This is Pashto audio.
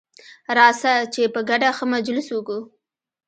راسه چي په ګډه ښه مجلس وکو.